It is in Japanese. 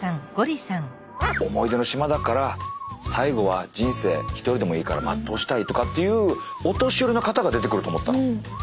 思い出の島だから最後は人生１人でもいいから全うしたいとかっていうお年寄りの方が出てくると思ったの。